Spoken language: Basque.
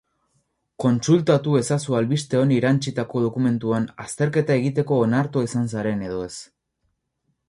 Kontsultatu ezazu albiste honi erantsitako dokumentuan azterketa egiteko onartua izan zaren edo ez.